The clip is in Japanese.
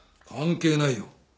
関係ないよ。